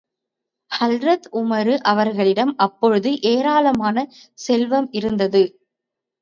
ஹலரத் உமறு அவர்களிடம் அப்பொழுது ஏராளமான செல்வம் இருந்தது.